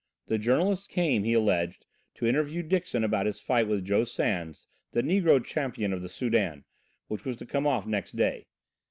The journalist came, he alleged, to interview Dixon about his fight with Joe Sans, the negro champion of the Soudan, which was to come off next day.